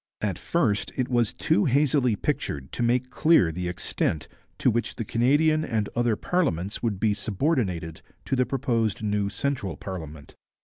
At first it was too hazily pictured to make clear the extent to which the Canadian and other parliaments would be subordinated to the proposed new central parliament.